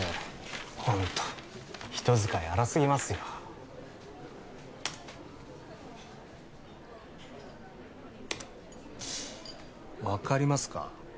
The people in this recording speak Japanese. ホント人使い荒すぎますよ分かりますか？